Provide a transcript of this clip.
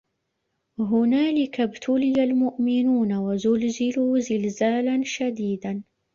هُنالِكَ ابتُلِيَ المُؤمِنونَ وَزُلزِلوا زِلزالًا شَديدًا